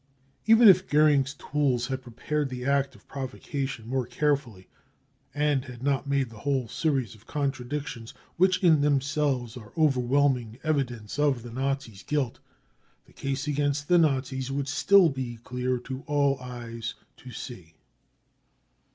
Even if Goering's tools had prepared the act of provocation more carefully, and had not made the whole series of contradictions which in them selves are overwhelming evidence of the Nazis 5 guilt, the case against the Nazis would still be clear to all eyes to see.